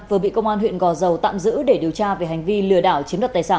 vừa bị công an huyện gò dầu tạm giữ để điều tra về hành vi lừa đảo chiếm đoạt tài sản